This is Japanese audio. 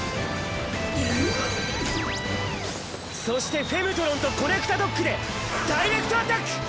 そしてフェムトロンとコネクタドッグでダイレクトアタック！